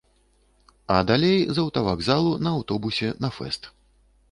А далей з аўтавакзалу на аўтобусе на фэст.